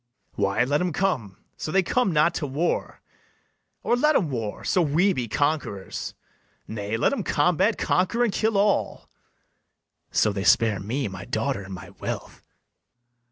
BARABAS. Why, let 'em come, so they come not to war; Or let 'em war, so we be conquerors. Nay, let 'em combat, conquer, and kill all, So they spare me, my daughter, and my wealth.